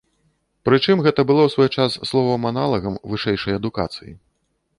Прычым гэта было ў свой час словам-аналагам вышэйшай адукацыі.